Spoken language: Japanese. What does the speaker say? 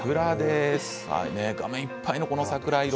画面いっぱいの桜色。